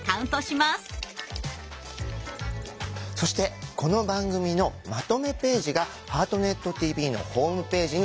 そしてこの番組のまとめページが「ハートネットＴＶ」のホームページにできました。